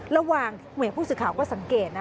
ระหว่างผู้สื่อข่าวก็สังเกตนะ